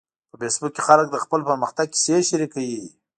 په فېسبوک کې خلک د خپل پرمختګ کیسې شریکوي